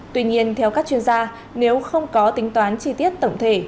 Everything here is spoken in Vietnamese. tuy nhiên theo các chuyên gia nếu không có tính toán chi tiết tổng thể